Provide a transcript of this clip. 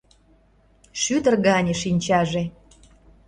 Шӱдыр гане шинчаже.